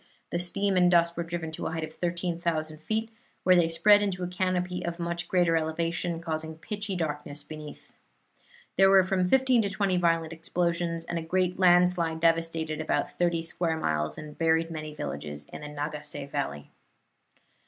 The steam and dust were driven to a height of 13,000 feet, where they spread into a canopy of much greater elevation, causing pitchy darkness beneath. There were from fifteen to twenty violent explosions, and a great landslide devastated about thirty square miles and buried many villages in the Nagase Valley.